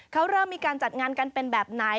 เขาเริ่มมีการจัดงานกันเป็นแบบไหน